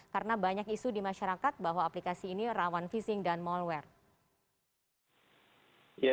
karena banyak isu di masyarakat bahwa aplikasi ini rawan phishing dan malware